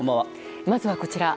まずは、こちら。